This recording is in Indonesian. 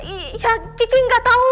iya kiki nggak tau